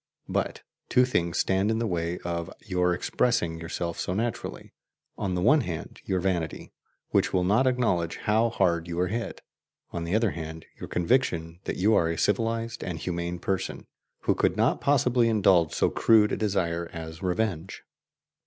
But two things stand in the way of your expressing yourself so naturally: on the one hand, your vanity, which will not acknowledge how hard you are hit; on the other hand, your conviction that you are a civilized and humane person, who could not possibly indulge so crude a desire as revenge.